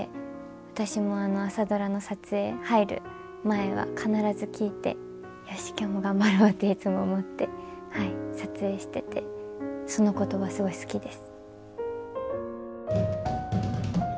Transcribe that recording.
私も「朝ドラ」の撮影入る前は必ず聴いて「よし今日も頑張ろう」っていつも思って撮影しててその言葉すごい好きです。